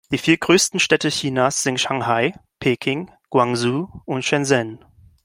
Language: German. Die vier größten Städte Chinas sind Shanghai, Peking, Guangzhou und Shenzhen.